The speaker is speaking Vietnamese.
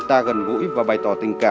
chị không biết nữa